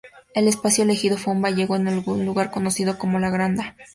El espacio elegido fue un vallejo en un lugar conocido como La Granda.